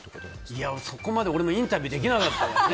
いや、そこまでは俺もインタビューできなかったから。